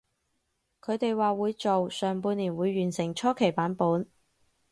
佢哋話會做，上半年會完成初期版本